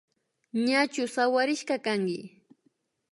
Ñachu sawarishka kanki